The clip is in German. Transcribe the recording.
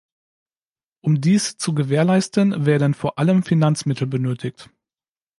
Um dies zu gewährleisten, werden vor allem Finanzmittel benötigt.